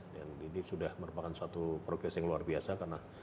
jadi sudah merupakan suatu progress yang luar biasa karena